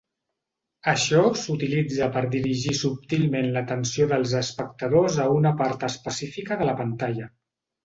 Això s'utilitza per dirigir subtilment l'atenció dels espectadors a una part específica de la pantalla.